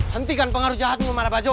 hentikan pengaruh jahatmu malabajo